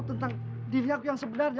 tentang diri aku yang sebenarnya